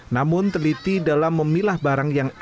namun teliti dalam memilah barang yang ada